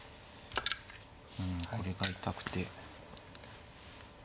うんこれが痛くて。